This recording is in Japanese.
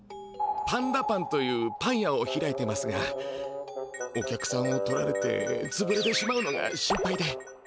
パンダパンというパン屋を開いてますがお客さんを取られてつぶれてしまうのが心配で。